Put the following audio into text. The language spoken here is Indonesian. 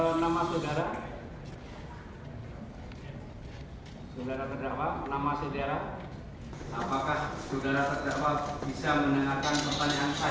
saudara terdakwa nama saudara apakah saudara terdakwa bisa menerahkan pertanyaan saya